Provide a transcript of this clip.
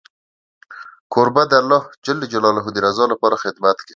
کوربه د الله د رضا لپاره خدمت کوي.